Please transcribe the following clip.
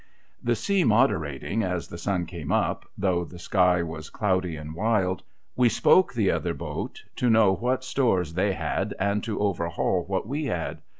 The sea moderating as the sun came up, though the sky was cloudy and wild, we spoke the other boat, to know what stores they had, and to overhaul what we had.